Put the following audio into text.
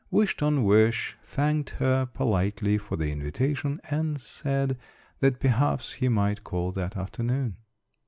Wish ton wish thanked her politely for the invitation, and said that perhaps he might call that afternoon.